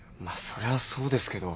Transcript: そりゃそうですけど。